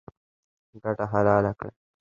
ګټه حلاله کړئ